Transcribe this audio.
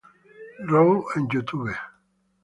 Raw en YouTube.